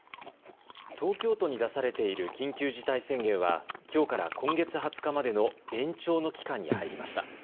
東京都に出されている緊急事態宣言は、きょうから今月２０日までの延長の期間に入りました。